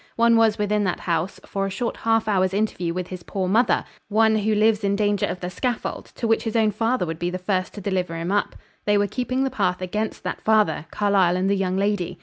One was within that house for a short half hour's interview with his poor mother one who lives in danger of the scaffold, to which his own father would be the first to deliver him up. They were keeping the path against that father Carlyle and the young lady.